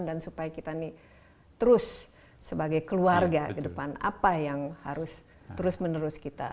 dan supaya kita ini terus sebagai keluarga ke depan apa yang harus terus menerus kita